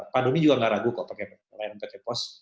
pak doni juga tidak ragu kok pakai layanan pt pos